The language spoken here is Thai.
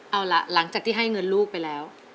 เอาล่ะหลังจากที่ให้เงินลูกไปแล้ว